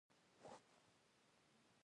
کېله د بدو احساساتو ضد ده.